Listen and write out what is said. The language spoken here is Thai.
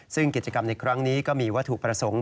ซึ่งกิจกรรมในครั้งนี้ก็มีวัตถุประสงค์